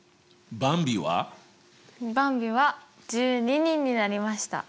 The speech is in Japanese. ばんびは１２人になりました。